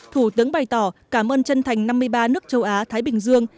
thủ tướng bày tỏ cảm ơn chân thành năm mươi ba nước châu á thái bình dương